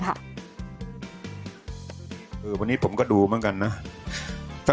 วันนี้ผมก็ดูเหมือนกันนะ